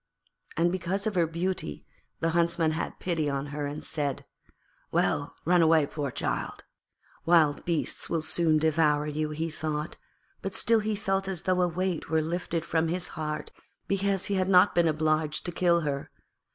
And because of her beauty the Huntsman had pity on her and said, 'Well, run away, poor child.' Wild beasts will soon devour you, he thought, but still he felt as though a weight were lifted from his heart because he had not been obliged to kill her.